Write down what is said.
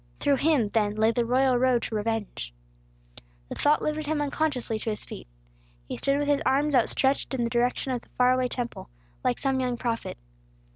Through him, then, lay the royal road to revenge. The thought lifted him unconsciously to his feet. He stood with his arms out stretched in the direction of the far away Temple, like some young prophet.